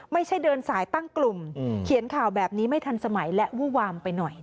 ไม่ใช่เดินสายตั้งกลุ่มเขียนข่าวแบบนี้ไม่ทันสมัยและวู้วามไปหน่อย